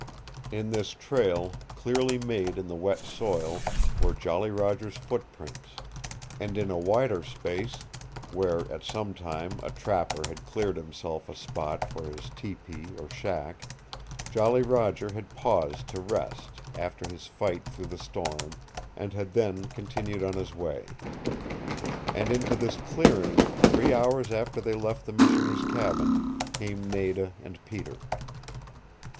In this trail, clearly made in the wet soil, were Jolly Roger's foot prints, and in a wider space, where at some time a trapper had cleared himself a spot for his tepee or shack, Jolly Roger had paused to rest after his fight through the storm and had then continued on his way. And into this clearing, three hours after they left the Missioner's cabin, came Nada and Peter.